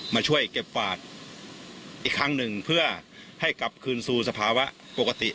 มาช่วยเก็บฝาดอีกครั้งหนึ่งเพื่อให้กลับคืนสู่สภาวะปกติ